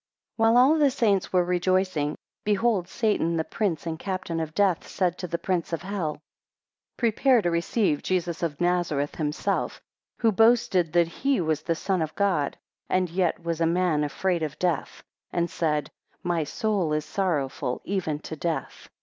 WHILE all the saints were rejoicing, behold Satan, the prince and captain of death, said to the prince of hell, 2 Prepare to receive Jesus of Nazareth himself, who boasted that he was the Son of God, and yet was a man afraid of death, and said, My soul is sorrowful even to death.